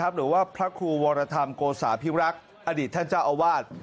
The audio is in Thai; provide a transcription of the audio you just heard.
หรือว่าพระครูวรธรรมโกสาพิรักษ์อดีตท่านเจ้าอาวาส